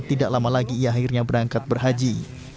tidak lama lagi ia akhirnya berangkat berhaji